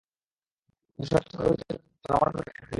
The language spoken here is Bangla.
কিন্তু সরকার আচমকা রুপির দুটি নোট বাতিল করে জনগণকে বেকায়দায় ফেলেছে।